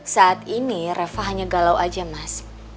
saat ini reva hanya galau aja mas